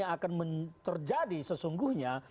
akan terjadi sesungguhnya